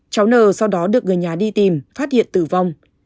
cháu n sau đó được người nhà đi tìm phát hiện tử vong